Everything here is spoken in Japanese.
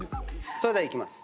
それではいきます。